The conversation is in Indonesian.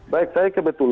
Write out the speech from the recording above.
baik saya ke betul